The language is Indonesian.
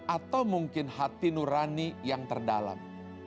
atau mungkin hati nurani yang terdalam